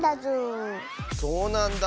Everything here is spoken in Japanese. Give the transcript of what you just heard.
そうなんだ。